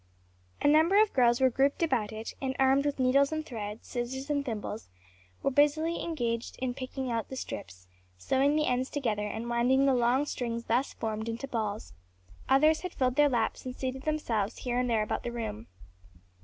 A number of girls were grouped about it and armed with needles and thread, scissors and thimbles, were busily engaged picking out the strips, sewing the ends together and winding the long strings thus formed, into balls; others had filled their laps and seated themselves here and there about the room.